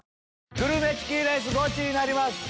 グルメチキンレースゴチになります！